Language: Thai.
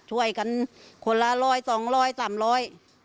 ช่วยกันคนละร้อยสองร้อยสามร้อย